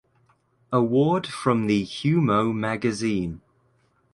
Award from the Humo magazine.